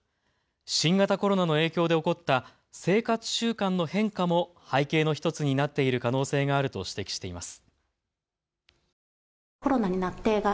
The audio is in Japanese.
新型コロナの影響で起こった生活習慣の変化も背景の１つになっている可能性があると指摘しています。